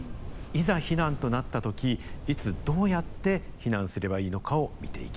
いざ避難となった時いつどうやって避難すればいいのかを見ていきます。